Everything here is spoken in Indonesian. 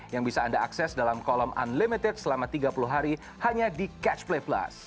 yang bisa anda akses dalam kolom unlimited selama tiga puluh hari hanya di catch play plus